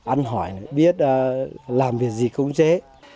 ăn hỏi biết làm việc gì cũng dễ